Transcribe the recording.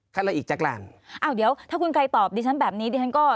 ขั้นละอีกจักรรอ้าวเดี๋ยวถ้าคุณกัยตอบดิฉันแบบนี้ดิฉันก็